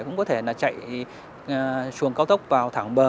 cũng có thể là chạy xuồng cao tốc vào thẳng bờ